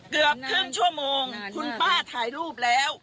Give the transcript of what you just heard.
เกือบครึ่งชั่วโมงคุณป้าถ่ายรูปแล้ว